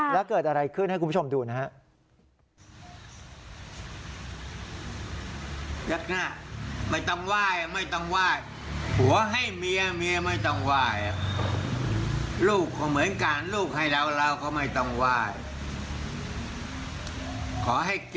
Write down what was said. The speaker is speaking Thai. แล้วเกิดอะไรขึ้นให้คุณผู้ชมดูนะฮะ